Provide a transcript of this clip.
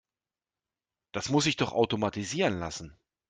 Das muss sich doch automatisieren lassen.